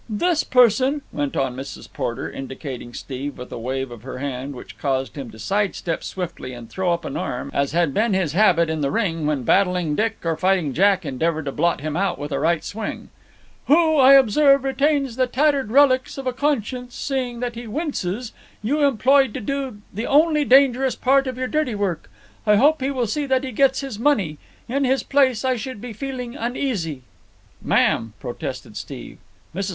"This person," went on Mrs. Porter, indicating Steve with a wave of her hand which caused him to sidestep swiftly and throw up an arm, as had been his habit in the ring when Battling Dick or Fighting Jack endeavoured to blot him out with a right swing, "who, I observe, retains the tattered relics of a conscience, seeing that he winces, you employed to do the only dangerous part of your dirty work. I hope he will see that he gets his money. In his place I should be feeling uneasy." "Ma'am!" protested Steve. Mrs.